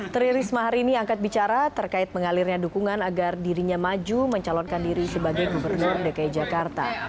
tri risma hari ini angkat bicara terkait mengalirnya dukungan agar dirinya maju mencalonkan diri sebagai gubernur dki jakarta